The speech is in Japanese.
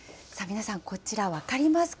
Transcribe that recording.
皆さん、こちら、分かりますか。